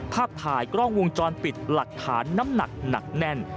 ภาพถ่ายกล้องวงจรปิดหลักฐานน้ำหนักหนักแน่น